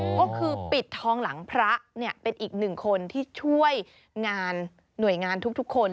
ก็คือปิดทองหลังพระเนี่ยเป็นอีกหนึ่งคนที่ช่วยงานหน่วยงานทุกคน